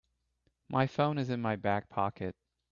My phone is in my back pocket.